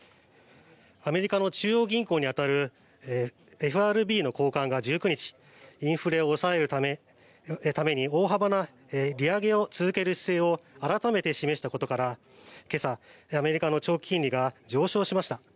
アメリカの中央銀行に当たるＦＲＢの高官が１９日インフレを抑えるために大幅な利上げを続ける姿勢を改めて示したことから今朝、アメリカの長期金利が上昇しました。